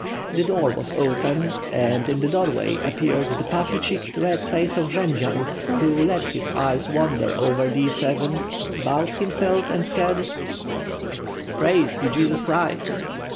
The door was opened and, in the doorway appeared the pufiEy cheeked red face of Jendzian, who let his eyes wander over those present, bowed himself and said: "Praised be Jesus Christ!"